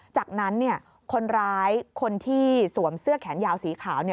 จากนั้นคนร้ายคนที่สวมเสื้อแขนยาวสีขาว